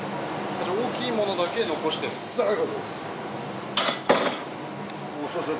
じゃあ大きいものだけ残してる？